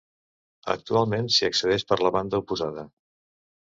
Actualment s'hi accedeix per la banda oposada.